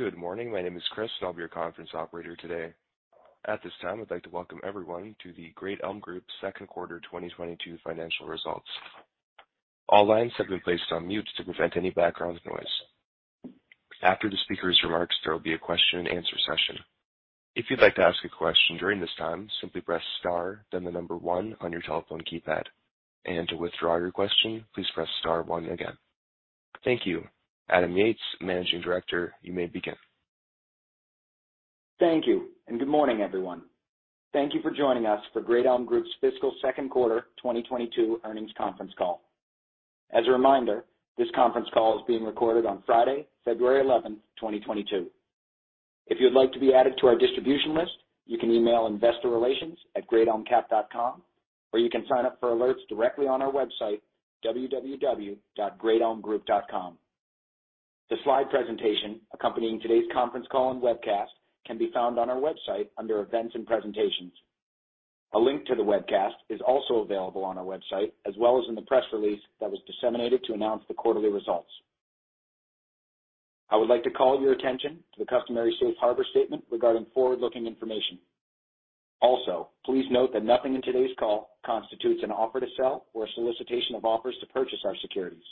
Good morning. My name is Chris, and I'll be your conference operator today. At this time, I'd like to welcome everyone to the Great Elm Group second quarter 2022 financial results. All lines have been placed on mute to prevent any background noise. After the speaker's remarks, there will be a question and answer session. If you'd like to ask a question during this time, simply press star, then the number one on your telephone keypad. To withdraw your question, please press star one again. Thank you. Adam Yates, Managing Director, you may begin. Thank you, and good morning, everyone. Thank you for joining us for Great Elm Group's fiscal second quarter 2022 earnings conference call. As a reminder, this conference call is being recorded on Friday, February 11, 2022. If you'd like to be added to our distribution list, you can email investorrelations@greatelmcap.com, or you can sign up for alerts directly on our website, www.greatelmgroup.com. The slide presentation accompanying today's conference call and webcast can be found on our website under Events and Presentations. A link to the webcast is also available on our website, as well as in the press release that was disseminated to announce the quarterly results. I would like to call your attention to the customary safe harbor statement regarding forward-looking information. Also, please note that nothing in today's call constitutes an offer to sell or a solicitation of offers to purchase our securities.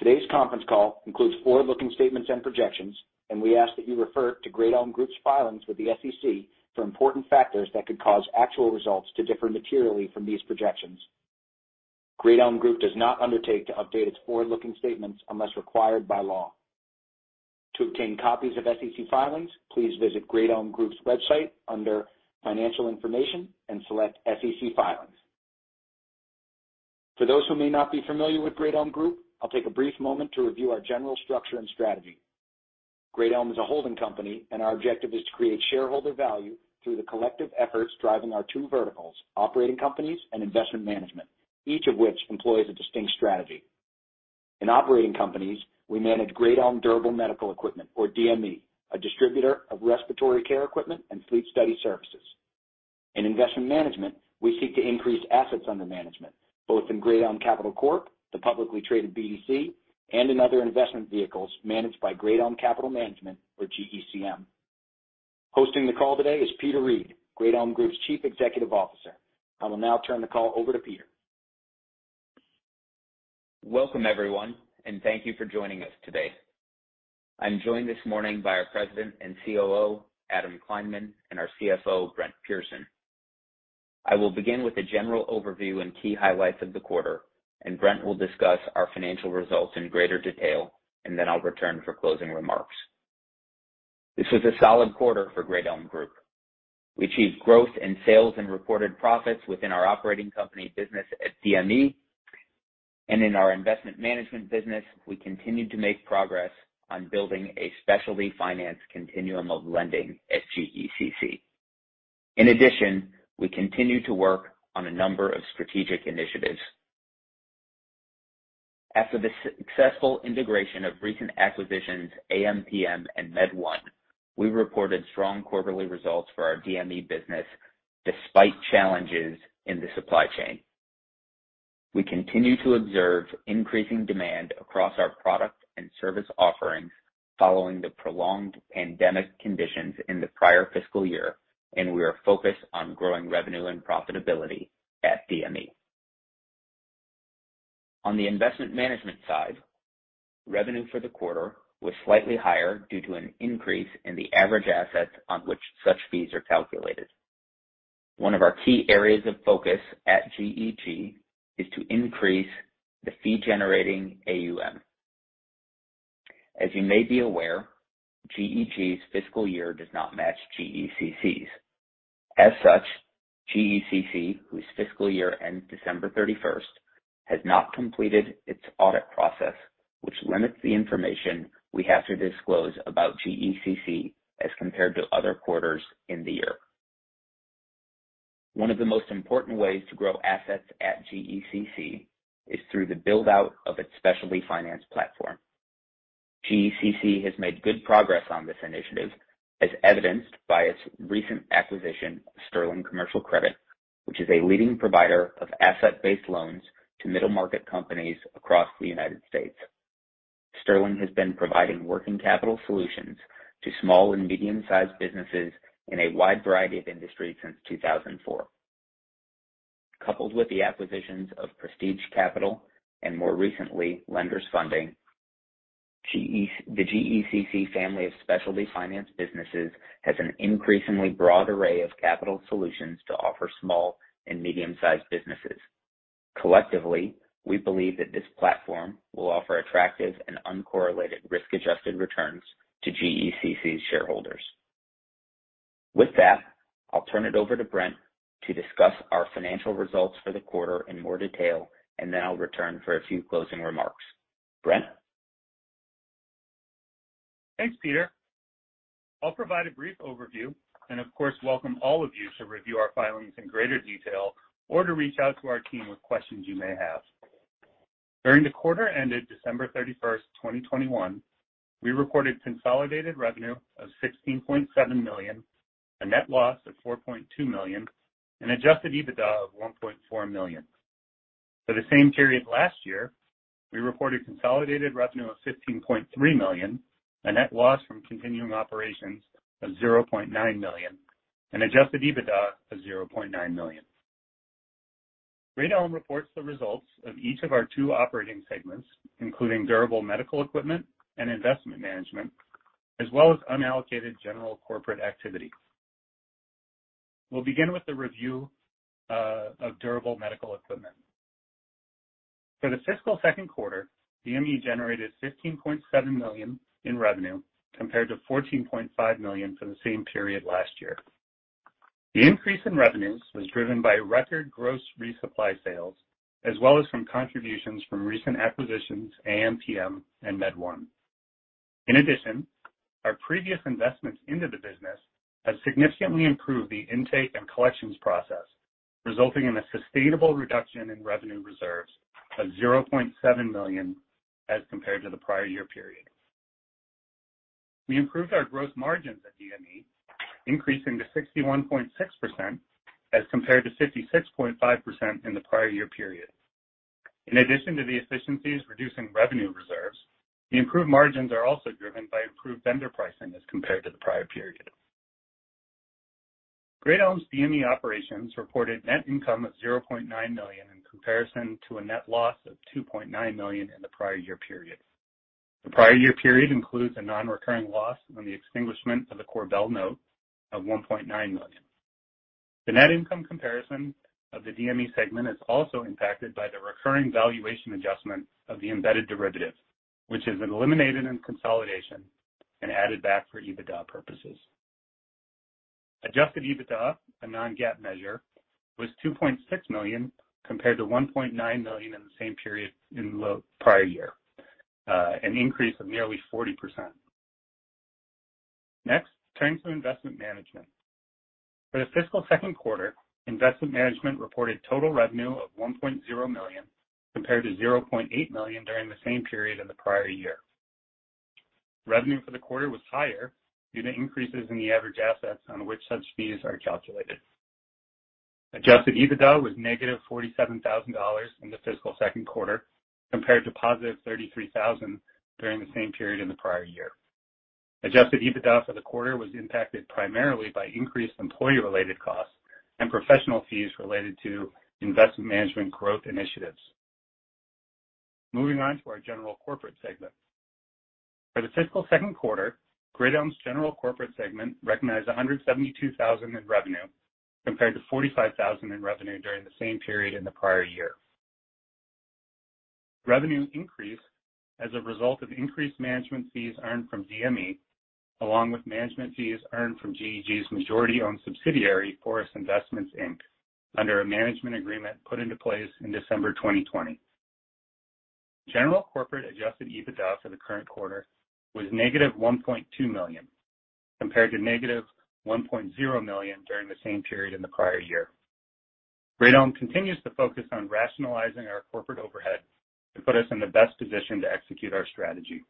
Today's conference call includes forward-looking statements and projections, and we ask that you refer to Great Elm Group's filings with the SEC for important factors that could cause actual results to differ materially from these projections. Great Elm Group does not undertake to update its forward-looking statements unless required by law. To obtain copies of SEC filings, please visit Great Elm Group's website under Financial Information and select SEC Filings. For those who may not be familiar with Great Elm Group, I'll take a brief moment to review our general structure and strategy. Great Elm is a holding company, and our objective is to create shareholder value through the collective efforts driving our two verticals, operating companies and investment management, each of which employs a distinct strategy. In operating companies, we manage Great Elm Durable Medical Equipment, or DME, a distributor of respiratory care equipment and sleep study services. In investment management, we seek to increase assets under management, both in Great Elm Capital Corp, the publicly traded BDC, and in other investment vehicles managed by Great Elm Capital Management or GECM. Hosting the call today is Peter Reed, Great Elm Group's Chief Executive Officer. I will now turn the call over to Peter. Welcome, everyone, and thank you for joining us today. I'm joined this morning by our President and COO, Adam Kleinman, and our CFO, Brent Pearson. I will begin with a general overview and key highlights of the quarter, and Brent will discuss our financial results in greater detail, and then I'll return for closing remarks. This was a solid quarter for Great Elm Group. We achieved growth in sales and reported profits within our operating company business at DME. In our investment management business, we continued to make progress on building a specialty finance continuum of lending at GECC. In addition, we continue to work on a number of strategic initiatives. After the successful integration of recent acquisitions, AMPM and MedOne, we reported strong quarterly results for our DME business despite challenges in the supply chain. We continue to observe increasing demand across our product and service offerings following the prolonged pandemic conditions in the prior fiscal year, and we are focused on growing revenue and profitability at DME. On the investment management side, revenue for the quarter was slightly higher due to an increase in the average assets on which such fees are calculated. One of our key areas of focus at GEG is to increase the fee-generating AUM. As you may be aware, GEG's fiscal year does not match GECC's. As such, GECC, whose fiscal year ends December thirty-first, has not completed its audit process, which limits the information we have to disclose about GECC as compared to other quarters in the year. One of the most important ways to grow assets at GECC is through the build-out of its specialty finance platform. GECC has made good progress on this initiative, as evidenced by its recent acquisition of Sterling Commercial Credit, which is a leading provider of asset-based loans to middle-market companies across the United States. Sterling has been providing working capital solutions to small and medium-sized businesses in a wide variety of industries since 2004. Coupled with the acquisitions of Prestige Capital and more recently, Lenders Funding, the GECC family of specialty finance businesses has an increasingly broad array of capital solutions to offer small and medium-sized businesses. Collectively, we believe that this platform will offer attractive and uncorrelated risk-adjusted returns to GECC's shareholders. With that, I'll turn it over to Brent to discuss our financial results for the quarter in more detail, and then I'll return for a few closing remarks. Brent? Thanks, Peter. I'll provide a brief overview and of course, welcome all of you to review our filings in greater detail or to reach out to our team with questions you may have. During the quarter ended December 31, 2021, we recorded consolidated revenue of $16.7 million, a net loss of $4.2 million and adjusted EBITDA of $1.4 million. For the same period last year, we reported consolidated revenue of $15.3 million, a net loss from continuing operations of $0.9 million, and adjusted EBITDA of $0.9 million. Great Elm reports the results of each of our two operating segments, including Durable Medical Equipment and Investment Management, as well as unallocated general corporate activity. We'll begin with the review of Durable Medical Equipment. For the fiscal second quarter, DME generated $15.7 million in revenue compared to $14.5 million for the same period last year. The increase in revenues was driven by record gross resupply sales as well as from contributions from recent acquisitions, AMPM and MedOne. In addition, our previous investments into the business have significantly improved the intake and collections process, resulting in a sustainable reduction in revenue reserves of $0.7 million as compared to the prior year period. We improved our gross margins at DME, increasing to 61.6% as compared to 56.5% in the prior year period. In addition to the efficiencies reducing revenue reserves, the improved margins are also driven by improved vendor pricing as compared to the prior period. Great Elm's DME operations reported net income of $0.9 million in comparison to a net loss of $2.9 million in the prior year period. The prior year period includes a non-recurring loss on the extinguishment of the CorVel note of $1.9 million. The net income comparison of the DME segment is also impacted by the recurring valuation adjustment of the embedded derivative, which is eliminated in consolidation and added back for EBITDA purposes. Adjusted EBITDA, a non-GAAP measure, was $2.6 million compared to $1.9 million in the same period in the prior year, an increase of nearly 40%. Next, turning to investment management. For the fiscal second quarter, investment management reported total revenue of $1.0 million compared to $0.8 million during the same period in the prior year. Revenue for the quarter was higher due to increases in the average assets on which such fees are calculated. Adjusted EBITDA was negative $47,000 in the fiscal second quarter compared to positive $33,000 during the same period in the prior year. Adjusted EBITDA for the quarter was impacted primarily by increased employee-related costs and professional fees related to investment management growth initiatives. Moving on to our general corporate segment. For the fiscal second quarter, Great Elm's general corporate segment recognized $172,000 in revenue compared to $45,000 in revenue during the same period in the prior year. Revenue increased as a result of increased management fees earned from DME, along with management fees earned from GEG's majority-owned subsidiary, Forest Investments, Inc., under a management agreement put into place in December 2020. General corporate Adjusted EBITDA for the current quarter was negative $1.2 million, compared to negative $1.0 million during the same period in the prior year. Great Elm continues to focus on rationalizing our corporate overhead to put us in the best position to execute our strategy.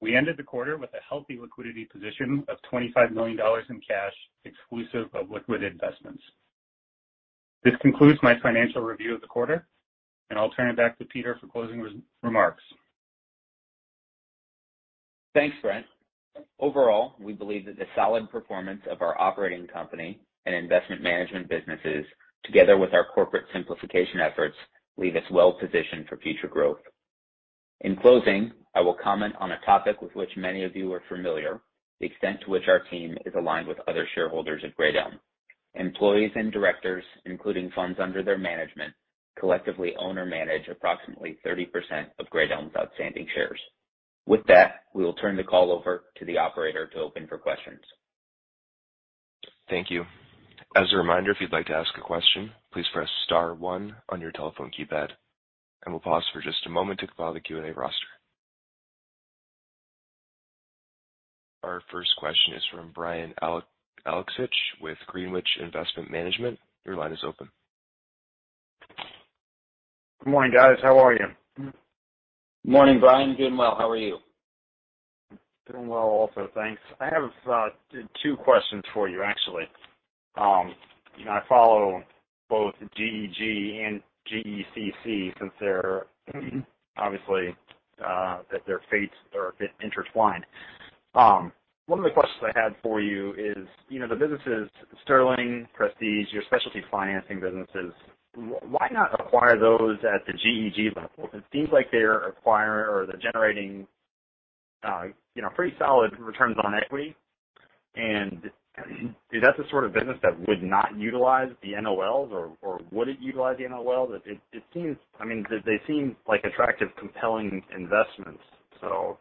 We ended the quarter with a healthy liquidity position of $25 million in cash, exclusive of liquid investments. This concludes my financial review of the quarter, and I'll turn it back to Peter for closing remarks. Thanks, Brent. Overall, we believe that the solid performance of our operating company and investment management businesses, together with our corporate simplification efforts, leave us well positioned for future growth. In closing, I will comment on a topic with which many of you are familiar, the extent to which our team is aligned with other shareholders of Great Elm. Employees and directors, including funds under their management, collectively own or manage approximately 30% of Great Elm's outstanding shares. With that, we will turn the call over to the operator to open for questions. Thank you. As a reminder, if you'd like to ask a question, please press star one on your telephone keypad, and we'll pause for just a moment to compile the Q&A roster. Our first question is from Brian Alexitch with Greenwich Investment Management. Your line is open. Good morning, guys. How are you? Morning, Brian. Doing well. How are you? Doing well also, thanks. I have two questions for you, actually. You know, I follow both GEG and GECC since they're obviously that their fates are a bit intertwined. One of the questions I had for you is, you know, the businesses Sterling, Prestige, your specialty financing businesses, why not acquire those at the GEG level? It seems like they're acquiring or they're generating you know, pretty solid returns on equity. Is that the sort of business that would not utilize the NOLs or would it utilize the NOLs? It seems, I mean, they seem like attractive, compelling investments. So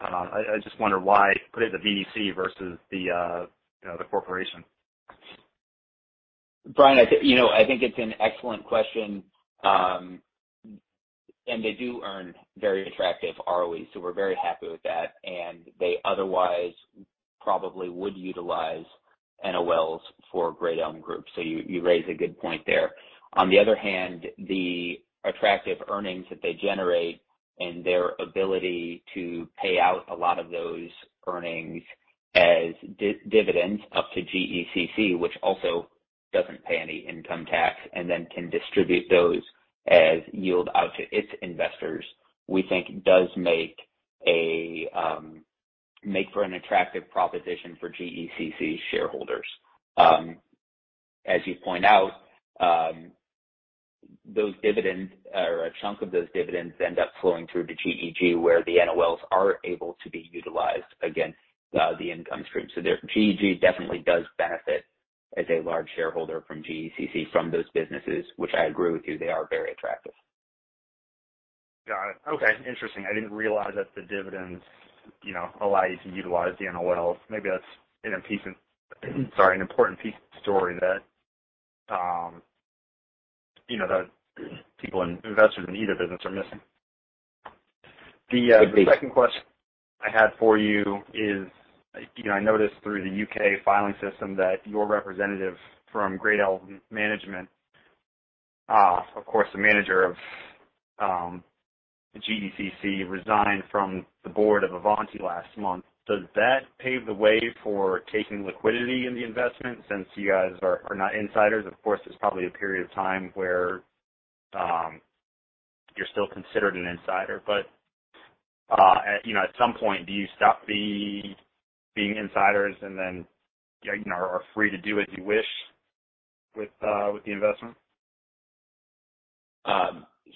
I just wonder why put it in the BDC versus the, you know, the corporation. Brian, you know, I think it's an excellent question. They do earn very attractive ROEs, so we're very happy with that. They otherwise probably would utilize NOLs for Great Elm Group. You raise a good point there. On the other hand, the attractive earnings that they generate and their ability to pay out a lot of those earnings as dividends up to GECC, which also doesn't pay any income tax and then can distribute those as yield to its investors, we think does make for an attractive proposition for GECC shareholders. As you point out, those dividends or a chunk of those dividends end up flowing through to GEG, where the NOLs are able to be utilized against the income stream. Their GEG definitely does benefit as a large shareholder from GECC from those businesses, which I agree with you, they are very attractive. Got it. Okay. Interesting. I didn't realize that the dividends, you know, allow you to utilize the NOLs. Maybe that's an important piece of the story that, you know, that people and investors in either business are missing. Agreed. The second question I had for you is, you know, I noticed through the U.K. filing system that your representative from Great Elm Management, of course, the manager of GECC, resigned from the board of Avanti last month. Does that pave the way for taking liquidity in the investment since you guys are not insiders? Of course, there's probably a period of time where you're still considered an insider. You know, at some point, do you stop being insiders and then, you know, are free to do as you wish with the investment?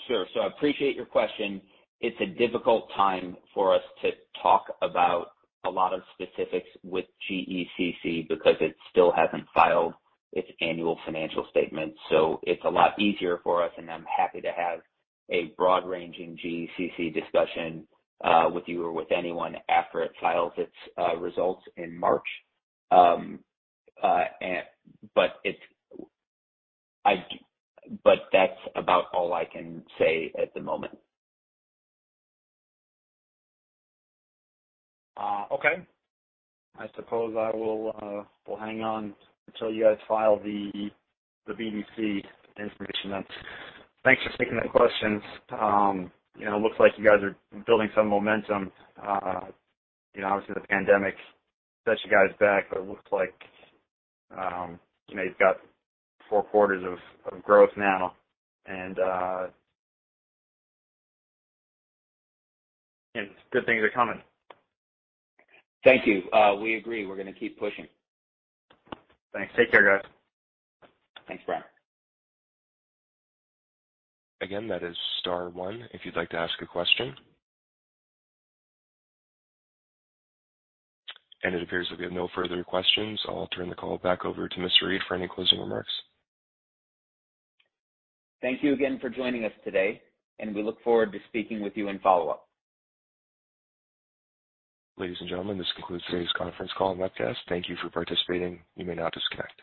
Sure. I appreciate your question. It's a difficult time for us to talk about a lot of specifics with GECC because it still hasn't filed its annual financial statement. It's a lot easier for us, and I'm happy to have a broad-ranging GECC discussion with you or with anyone after it files its results in March. That's about all I can say at the moment. Okay. I suppose I will hang on until you guys file the GECC information then. Thanks for taking the questions. You know, looks like you guys are building some momentum. You know, obviously the pandemic set you guys back, but it looks like you know, you've got four quarters of growth now and good things are coming. Thank you. We agree. We're gonna keep pushing. Thanks. Take care, guys. Thanks, Brian. Again, that is star one if you'd like to ask a question. It appears that we have no further questions. I'll turn the call back over to Mr. Reed for any closing remarks. Thank you again for joining us today, and we look forward to speaking with you in follow-up. Ladies and gentlemen, this concludes today's conference call and webcast. Thank you for participating. You may now disconnect.